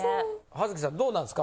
葉月さんどうなんですか？